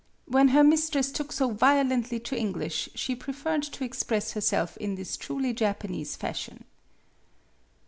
When her mistress took so violently to English she preferred to express herself in this truly Japanese fashion.